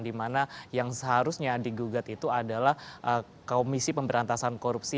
di mana yang seharusnya digugat itu adalah komisi pemberantasan korupsional